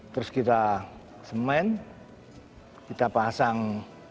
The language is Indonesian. terus kita semen kita pasang